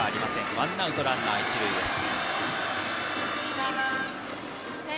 ワンアウトランナー、一塁です。